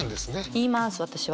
言います私は。